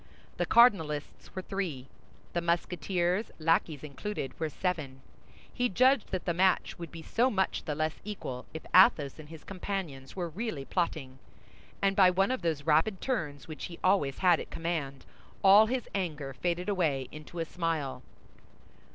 The cardinalists were three; the Musketeers, lackeys included, were seven. He judged that the match would be so much the less equal, if Athos and his companions were really plotting; and by one of those rapid turns which he always had at command, all his anger faded away into a smile.